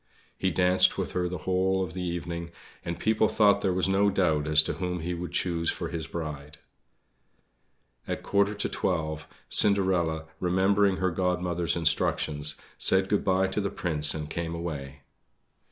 He danced with her the whole of the evening, and people thought there was no doubt as to whom he would choose for his bride. At a quarter to twelve, Cinderella, remembering her Godmother's instructions, said good bye to the Prince and came away.